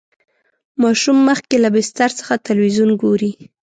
ماشوم مخکې له بستر څخه تلویزیون ګوري.